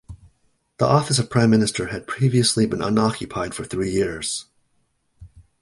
The office of Prime Minister had previously been unoccupied for three years.